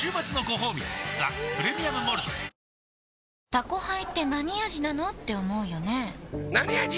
「タコハイ」ってなに味なのーって思うよねなに味？